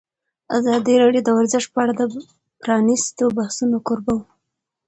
ازادي راډیو د ورزش په اړه د پرانیستو بحثونو کوربه وه.